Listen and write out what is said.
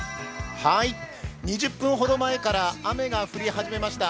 ２０分ほど前から雨が降り始めました。